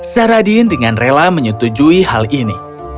saradin dengan rela menyetujui hal ini